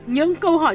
những câu hỏi trả lời